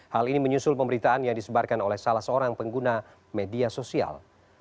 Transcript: hal ini menyusul pemberitaan yang disebarkan oleh salah seorang pengguna media sosial